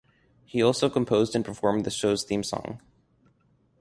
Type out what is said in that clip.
He also composed and performed the show's theme song.